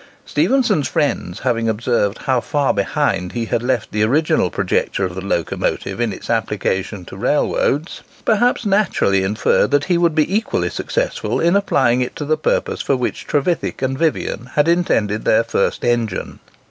Stephenson's friends having observed how far behind he had left the original projector of the locomotive in its application to railroads, perhaps naturally inferred that he would be equally successful in applying it to the purpose for which Trevithick and Vivian had intended their first engine.